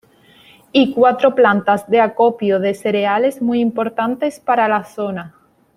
Y cuatro plantas de acopio de cereales muy importantes para la zona.